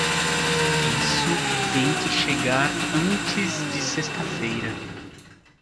Isso tem que chegar antes de sexta-feira.